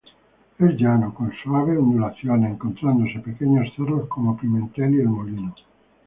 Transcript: Es llano, con suaves ondulaciones, encontrándose pequeños cerros como Pimentel y El Molino.